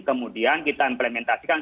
kemudian kita implementasikan